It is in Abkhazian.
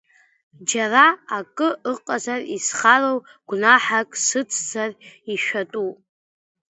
Џьара акры ыҟазар исхароу, гәнаҳак сыцзар ишәатәу.